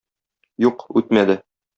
Юк, үтмәде.